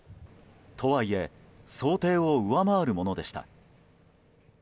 とはいえ想定を上回るものでした。